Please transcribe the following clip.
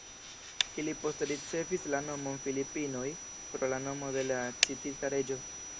Ili poste ricevis la nomon Filipinoj pro la nomo de la citita reĝo.